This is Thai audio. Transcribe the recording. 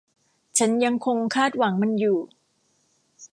ฉันยังคงคาดหวังมันอยู่